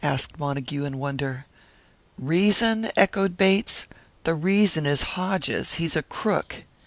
asked Montague, in wonder. "Reason?" echoed Bates. "The reason is Hodges; he's a crook.